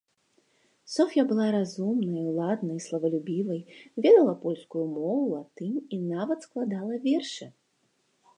Соф'я была разумнай, уладнай, славалюбівай, ведала польскую мову, латынь і нават складала вершы.